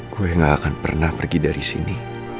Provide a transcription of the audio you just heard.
gue gak akan pernah pergi dari sini